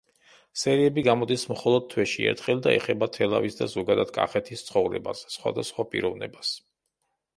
სერიები გამოდის მხოლოდ თვეში ერთხელ და ეხება თელავის და ზოგადად კახეთის ცხოვრებას, სხვადასხვა პიროვნებას.